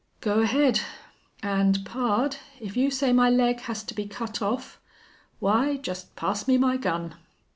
"Go ahead.... And, pard, if you say my leg has to be cut off why just pass me my gun!"